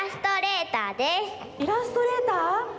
イラストレーター？